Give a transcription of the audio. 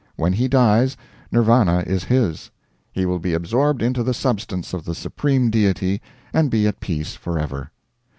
When he dies, Nirvana is his; he will be absorbed into the substance of the Supreme Deity and be at peace forever.